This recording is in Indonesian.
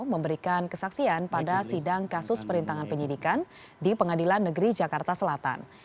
memberikan kesaksian pada sidang kasus perintangan penyidikan di pengadilan negeri jakarta selatan